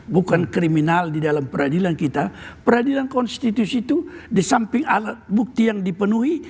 bukan kriminal di dalam peradilan kita peradilan konstitusi itu di samping alat bukti yang dipenuhi